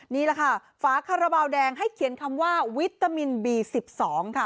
นี่แหละค่ะฝาคาราบาลแดงให้เขียนคำว่าวิตามินบี๑๒ค่ะ